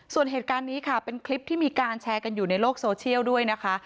ส่วนเหตุการณ์นี้ค่ะเป็นคลิปที่มีการแชร์กันอยู่ในโลกโซเชียลด้วยนะคะ